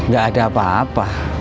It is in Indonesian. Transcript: gak ada apa apa